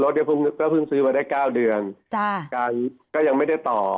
รถเดี๋ยวก็พึ่งซื้อมาได้๙เดือนก็ยังไม่ได้ต่อ